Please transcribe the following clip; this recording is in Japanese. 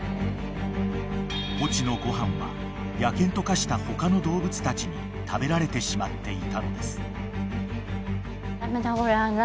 ［ポチのご飯は野犬と化した他の動物たちに食べられてしまっていたのです］